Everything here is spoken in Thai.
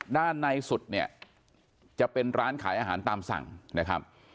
ด้านในสุดเนี่ยจะเป็นร้านขายอาหารตามสั่งนะครับ